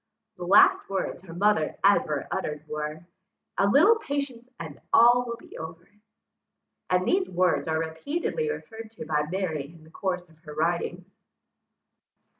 The last words her mother ever uttered were, "A little patience, and all will be over!" and these words are repeatedly referred to by Mary in the course of her writings.